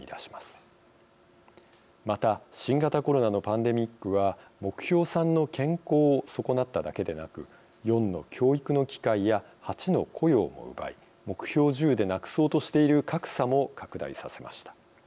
また新型コロナのパンデミックは目標３の「健康」を損なっただけでなく４の「教育の機会」や８の「雇用」も奪い目標１０でなくそうとしている「格差」も拡大させました。